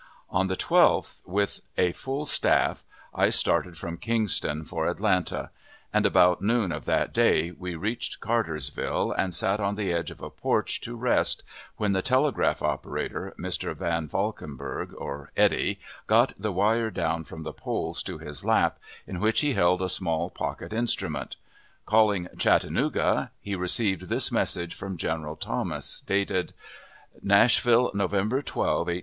On the 12th, with a full staff, I started from Kingston for Atlanta; and about noon of that day we reached Cartersville, and sat on the edge of a porch to rest, when the telegraph operator, Mr. Van Valkenburg, or Eddy, got the wire down from the poles to his lap, in which he held a small pocket instrument. Calling "Chattanooga," he received this message from General Thomas, dated NASHVILLE, November 12, 1884 8.